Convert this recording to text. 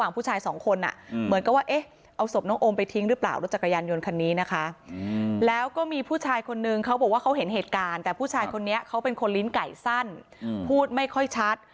เป็นคนลิ้นไก่สั้นพูดไม่ค่อยชัด